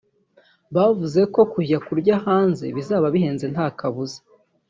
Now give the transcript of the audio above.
Bavuze ko kujya kurya hanze bizaba bihenze nta kabuza